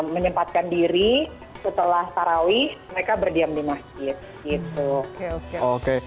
menyempatkan diri setelah tarawih mereka berdiam di masjid gitu oke oke